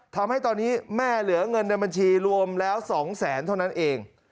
ทำให้ตอนนี้แม่เหลือเงินในบัญชีรวมแล้ว๒แสนเท่านั้นเอง